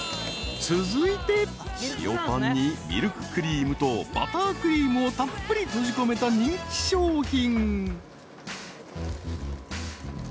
［続いて塩パンにミルククリームとバタークリームをたっぷり閉じ込めた人気商品］